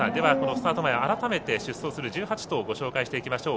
スタート前、改めて出走する１８頭をご紹介します。